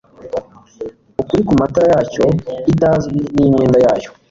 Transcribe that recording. Ukuri kumatara yacyo itazwi nimyenda yayo